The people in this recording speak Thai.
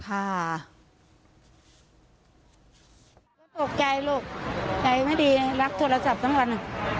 ตกใจลูกใจไม่ดีรับโทรศัพท์ทั้งวัน